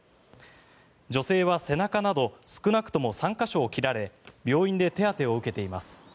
女性は背中など少なくとも３か所を切られ病院で手当てを受けています。